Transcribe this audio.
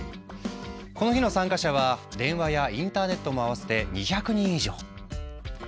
この日の参加者は電話やインターネットも合わせて２００人以上。